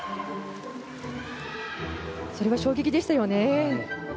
それは衝撃でしたよね。